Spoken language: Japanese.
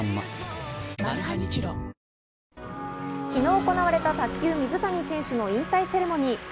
昨日行われた卓球・水谷選手の引退セレモニー。